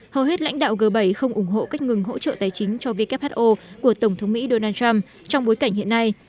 hầu hết lãnh đạo g bảy không ủng hộ cách ngừng hỗ trợ tài chính cho who của tổng thống mỹ donald trump trong bối cảnh hiện nay